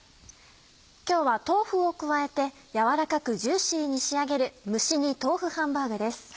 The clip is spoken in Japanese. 今日は豆腐を加えてやわらかくジューシーに仕上げる「蒸し煮豆腐ハンバーグ」です。